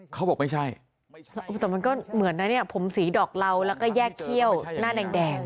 เขาบอกไม่ใช่แต่มันก็เหมือนนะเนี่ยผมสีดอกเหล่าแล้วก็แยกเขี้ยวหน้าแดง